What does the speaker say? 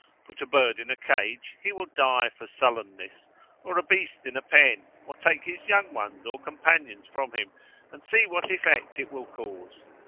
Put a bird in a cage, he will die for sullenness, or a beast in a pen, or take his young ones or companions from him, and see what effect it will cause.